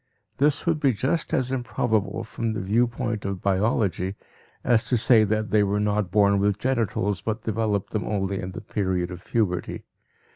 This would be just as improbable from the viewpoint of biology as to say that they were not born with genitals but developed them only in the period of puberty.